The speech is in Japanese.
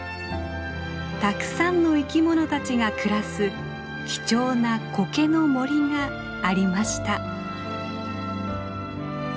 たくさんの生き物たちが暮らす貴重なコケの森がありました。